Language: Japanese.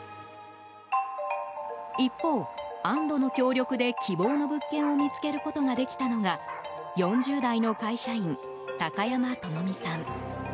一方、あんどの協力で希望の物件を見つけることができたのが４０代の会社員、高山朋美さん。